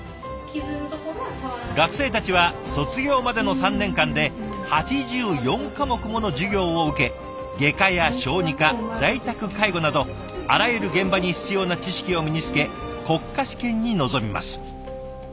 学生たちは卒業までの３年間で８４科目もの授業を受け外科や小児科在宅介護などあらゆる現場に必要な知識を身につけ国家試験に臨みます。